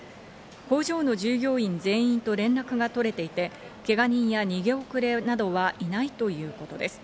工場の従業員全員と連絡が取れていて、けが人や逃げ遅れなどはいないということです。